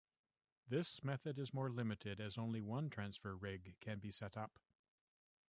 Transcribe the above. This method is more limited, as only one transfer rig can be set up.